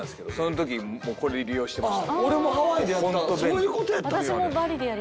そういうことやったんや。